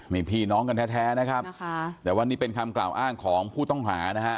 นี่พี่น้องกันแท้นะครับแต่ว่านี่เป็นคำกล่าวอ้างของผู้ต้องหานะฮะ